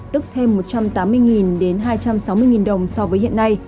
tức thêm một trăm tám mươi đến hai trăm sáu mươi đồng so với hiện nay